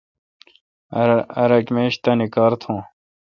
ار اک میش تانی کار تھوں۔